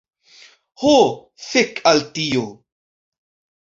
Ho, fek' al tio!